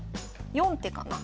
４手かな。